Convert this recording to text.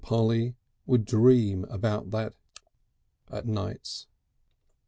Polly would dream about that (kik) at nights.